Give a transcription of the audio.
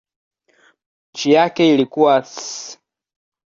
Matamshi yake ilikuwa "s".